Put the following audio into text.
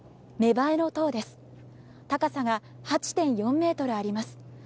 高さが８．４ｍあります。